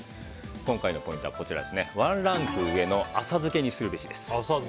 今回のポイントはワンランク上の浅漬けにするべしです。